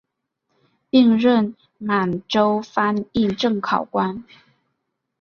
并任满洲翻译正考官。